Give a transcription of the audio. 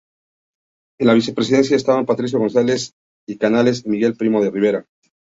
En la vicepresidencia estaban Patricio González de Canales y Miguel Primo de Rivera.